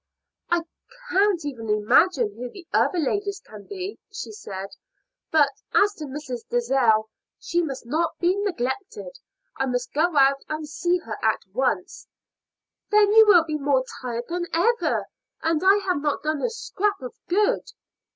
"I can't even imagine who the other ladies can be," she said. "But as to Mrs. Dalzell, she must not be neglected; I must go out and see her at once." "Then you will be more tired than ever, and I have not done a scrap of good."